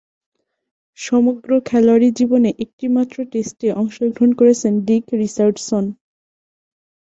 সমগ্র খেলোয়াড়ী জীবনে একটিমাত্র টেস্টে অংশগ্রহণ করেছেন ডিক রিচার্ডসন।